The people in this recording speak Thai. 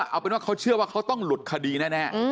เอาเป็นว่าเขาเชื่อว่าเขาต้องหลุดคดีแน่